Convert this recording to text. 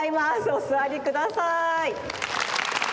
おすわりください。